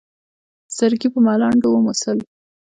سرګي په ملنډو وموسل.